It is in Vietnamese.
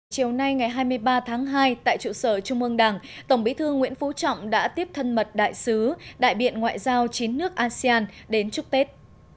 chiều nay ngày hai mươi ba tháng hai tại trụ sở trung ương đảng tổng bí thư nguyễn phú trọng đã tiếp thân mật đại sứ đại biện ngoại giao chín nước asean đến chúc tết